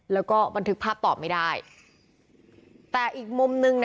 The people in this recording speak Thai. แล้วก็บันทึกภาพตอบไม่ได้แต่อีกมุมนึง